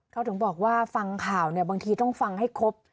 เขาถึงบอกว่าฟังข่าวเนี่ยบางทีต้องฟังให้ครบ